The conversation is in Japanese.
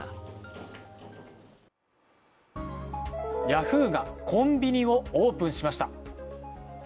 ヤフーがコンビニをオープンしました。